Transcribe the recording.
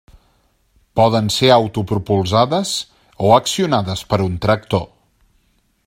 Poden ser autopropulsades o accionades per un tractor.